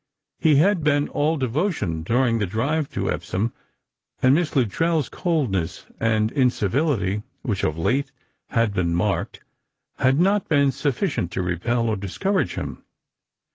He had been all devotion during the drive to Epsom, and Miss Lut trell's coldness and incivility, which of late had been marked, had not been sufficient to repel or discourage him.